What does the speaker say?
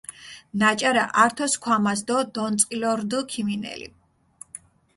ნაჭარა ართო სქვამას დო დონწყილო რდჷ ქიმინელი.